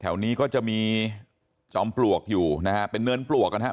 แถวนี้ก็จะมีจอมปลวกอยู่นะฮะเป็นเนินปลวกนะฮะไม่ถึงขั้นกัน